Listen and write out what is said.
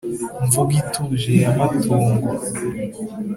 mvugo ituje ya matungo